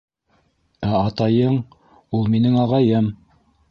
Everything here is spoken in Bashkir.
Ә атайың... ул минең ағайым.